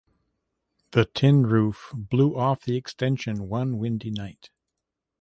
The tin roof blew off the extension one windy night.